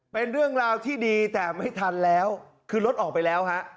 เป็นเรื่องราวที่ดีแต่ไม่ทันแล้วคือรถออกไปแล้วฮะ